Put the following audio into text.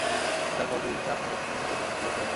যার ফল, দুই ম্যাচে আফগান লেগ স্পিনার রশিদ খানকে বসিয়ে রাখা।